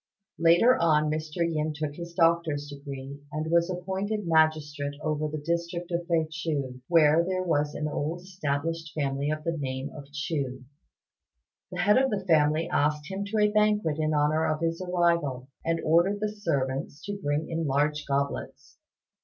Later on Mr. Yin took his doctor's degree, and was appointed magistrate over the district of Fei ch'iu, where there was an old established family of the name of Chu. The head of the family asked him to a banquet in honour of his arrival, and ordered the servants to bring in the large goblets.